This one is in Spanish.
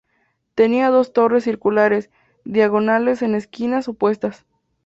Tenía dos torres circulares, diagonales en esquinas opuestas.